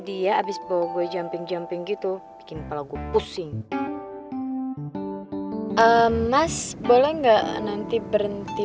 nah karena pegang pegi